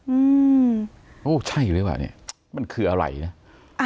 อืมโอ้ใช่เลยว่ะเนี่ยมันคืออะไร่ะ